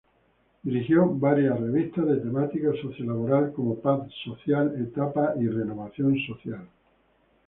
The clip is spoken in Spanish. Dirigió varias revistas de temática socio-laboral como "Paz Social", "Etapa" y "Renovación Social".